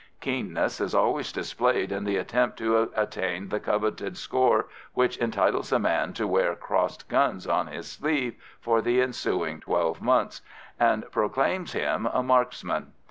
Keenness is always displayed in the attempt to attain the coveted score which entitles a man to wear crossed guns on his sleeve for the ensuing twelve months, and proclaims him a "marksman."